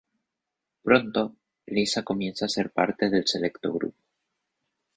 Pronto, Lisa comienza a ser parte del selecto grupo.